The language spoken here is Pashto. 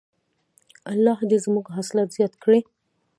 الله دې زموږ حاصلات زیات کړي.